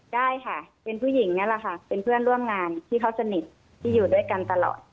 ได้ค่ะเป็นผู้หญิงนั่นแหละค่ะเป็นเพื่อนร่วมงานที่เขาสนิทที่อยู่ด้วยกันตลอด